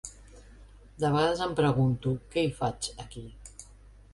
De vegades em pregunto; que hi faig, aquí?